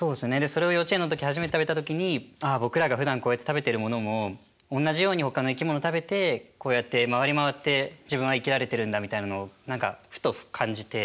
それを幼稚園の時初めて食べた時にああ僕らがふだんこうやって食べてるものもおんなじようにほかの生き物食べてこうやって回り回って自分は生きられてるんだみたいなのを何かふと感じて。